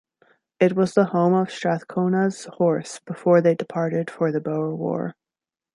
It was the home of Strathcona's Horse before they departed for the Boer War.